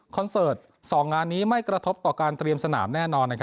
เสิร์ต๒งานนี้ไม่กระทบต่อการเตรียมสนามแน่นอน